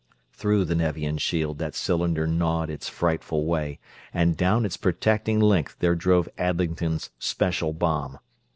Through the Nevian shield that cylinder gnawed its frightful way, and down its protecting length there drove Adlington's "Special" bomb.